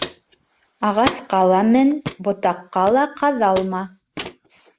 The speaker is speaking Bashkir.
Ағасҡа ла мен, ботаҡҡа ла ҡаҙалма.